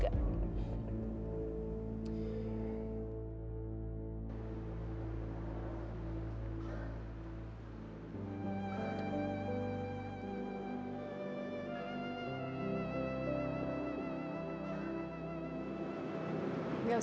gak usah sedih ya mas